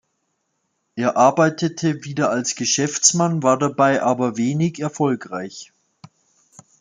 Er arbeitete wieder als Geschäftsmann, war dabei aber wenig erfolgreich.